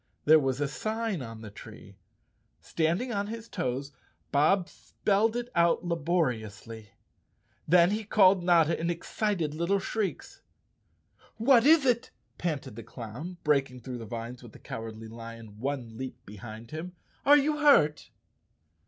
There was a sign on the tree. Standing on his toes Bob spelled it out laboriously. Then he called Notta in excited little shrieks. "What is it?" panted the clown, breaking through the vines with the Cowardly Lion one leap behind him. "Are you hurt?"